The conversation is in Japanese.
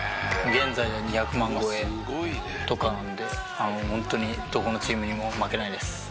現在は２００万超えとかなんでホントにどこのチームにも負けないです。